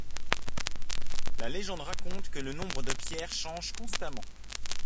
La légende raconte que le nombre de pierre change constamment.